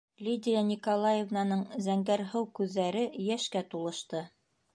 - Лидия Николаевнаның зәңгәрһыу күҙҙәре йәшкә тулышты.